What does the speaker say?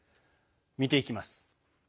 見ていきます。